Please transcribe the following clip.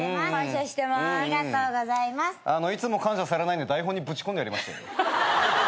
いつも感謝されないんで台本にぶち込んでやりました。